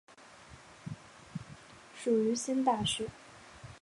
属于新大学。